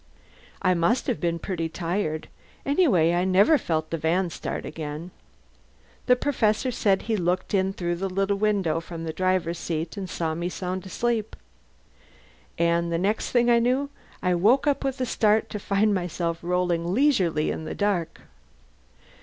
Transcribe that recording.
I must have been pretty tired; anyway I never felt the van start again. The Professor says he looked in through the little window from the driver's seat, and saw me sound asleep. And the next thing I knew I woke up with a start to find myself rolling leisurely in the dark.